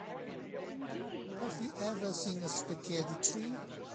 Have you ever seen a spaghetti tree?